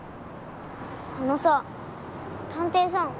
あのさ探偵さん。